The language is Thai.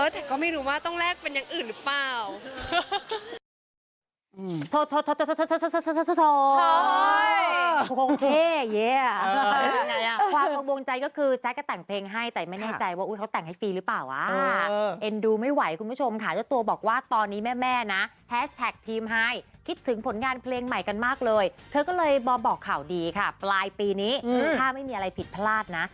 แต่ก็ไม่รู้ว่าต้องแลกเป็นอย่างอื่นหรือเปล่า